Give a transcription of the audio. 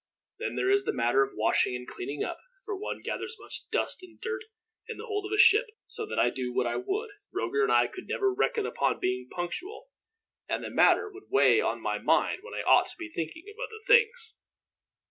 Then there is the matter of washing and cleaning up, for one gathers much dust and dirt in the hold of a ship; so that, do what I would, Roger and I could never reckon upon being punctual, and the matter would weigh on my mind when I ought to be thinking of other things.